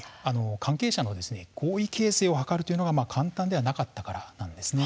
関係者の合意形成を図るのが簡単ではなかったからです。